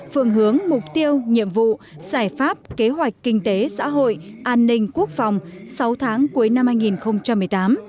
phương hướng mục tiêu nhiệm vụ giải pháp kế hoạch kinh tế xã hội an ninh quốc phòng sáu tháng cuối năm hai nghìn một mươi tám